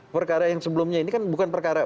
perkara yang sebelumnya ini kan bukan perkara